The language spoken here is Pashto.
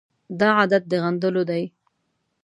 دا عادت د غندلو دی.